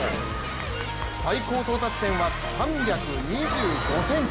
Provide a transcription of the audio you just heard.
最高到達点は３２５ｃｍ。